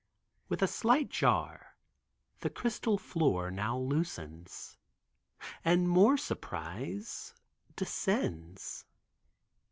With a slight jar, the crystal floor now loosens, and more surprise, descends.